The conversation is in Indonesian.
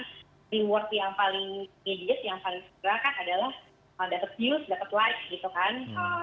nah reward yang paling medis yang paling segera kan adalah dapat views dapat likes gitu kan